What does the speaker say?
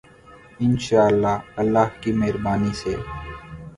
انشاء اللہ، اللہ کی مہربانی سے۔